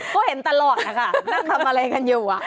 ก็เห็นตลอดนะคะนั่งทำอะไรกันอยู่